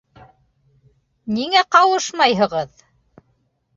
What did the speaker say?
Ниңә ҡауышмайһығыҙ?